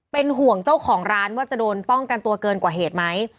เป็นห่วงเจ้าของร้านว่าจะโดนป้องกันตัวเกินกว่าเหตุไหม